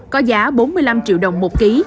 có giá bốn mươi năm triệu đồng một ký